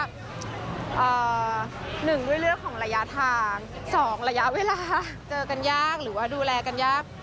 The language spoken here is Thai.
หนึ่งด้วยเรื่องของระยะทาง๒ระยะเวลาเจอกันยากหรือว่าดูแลกันยาก